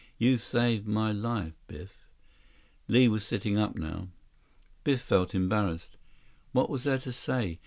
"You saved my life, Biff." Li was sitting up now. Biff felt embarrassed. What was there to say?